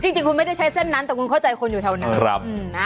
จริงคุณไม่ได้ใช้เส้นนั้นแต่คุณเข้าใจคนอยู่แถวนั้น